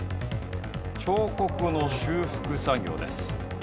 彫刻の修復作業です。